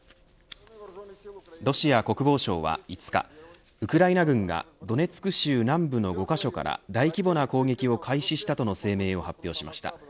ロシア国防省は５日ウクライナ軍がドネツク州南部の５カ所から大規模な攻撃を開始したとの声明を発表しました。